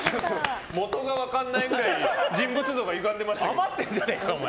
元が分からないぐらい人物像が歪んでましたけど。